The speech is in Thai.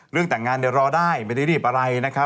เรื่องแต่งงานเดี๋ยวรอได้ไม่ได้รีบอะไรนะครับ